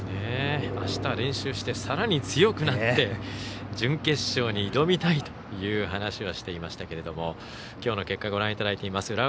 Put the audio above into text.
あした練習してさらに強くなって準決勝に挑みたいという話をしていましたけどもきょうの結果ご覧いただいています。